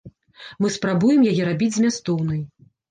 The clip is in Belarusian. Мы спрабуем яе рабіць змястоўнай.